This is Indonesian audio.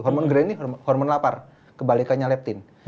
hormon grand ini hormon lapar kebalikannya leptin